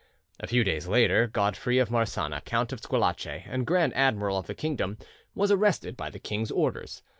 A few days later, Godfrey of Marsana, Count of Squillace and grand admiral of the kingdom, was arrested by the king's orders.